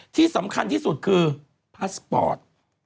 ที่สำคัญที่สุดคือพาสปอร์ต